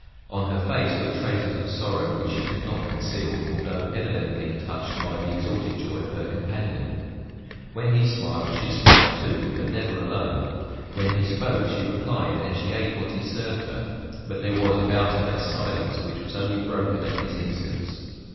On her face were traces of sorrow which she could not conceal, although evidently touched by the exalted joy of her companion. When he smiled, she smiled too, but never alone; when he spoke, she replied and she ate what he served her; but there was about her a silence which was only broken at his instance.